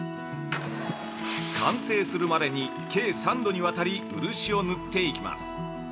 完成するまでに計３度にわたり漆を塗っていきます。